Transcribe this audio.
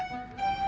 tunggu bentar ya